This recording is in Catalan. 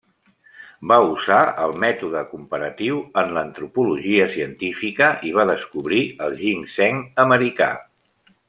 Va usar el mètode comparatiu en l'antropologia científica i va descobrir el ginseng americà.